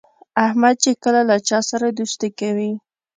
احمد چې کله له چا سره دوستي کوي،